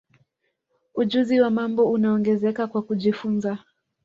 ujuzi wa mambo unaongezeka kwa kujifunza